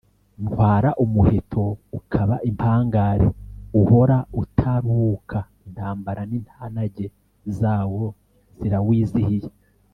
ntwara umuheto ukaba impangare uhora utaruhuka intambara n’intanage zawo zirawizihiye.